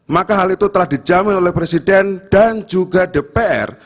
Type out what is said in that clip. maka hal itu telah dijamin oleh presiden dan juga dpr